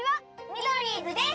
ミドリーズです！